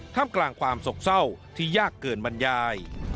มกลางความสกเศร้าที่ยากเกินบรรยาย